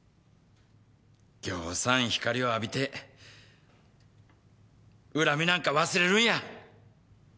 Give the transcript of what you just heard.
ぎょうさん光を浴びて恨みなんか忘れるんや。